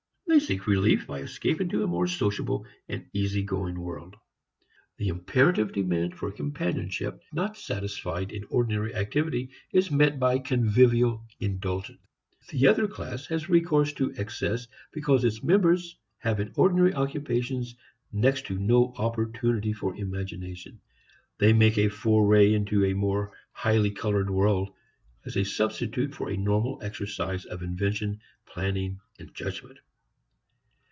They seek relief by escape into a more sociable and easy going world. The imperative demand for companionship not satisfied in ordinary activity is met by convivial indulgence. The other class has recourse to excess because its members have in ordinary occupations next to no opportunity for imagination. They make a foray into a more highly colored world as a substitute for a normal exercise of invention, planning and judgment.